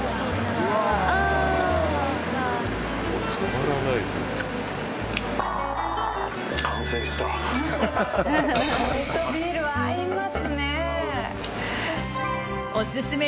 これとビールは合いますね。